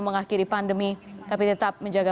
mengakhiri pandemi tapi tetap menjaga